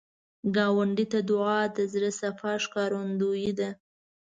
ګاونډي ته دعا، د زړه صفا ښکارندویي ده